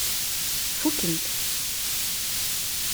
Fuken-t.